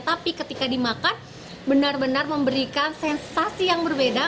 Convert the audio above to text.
tapi ketika dimakan benar benar memberikan sensasi yang berbeda